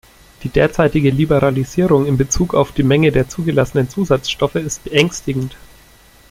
Die derzeitige Liberalisierung in bezug auf die Menge der zugelassenen Zusatzstoffe ist beängstigend.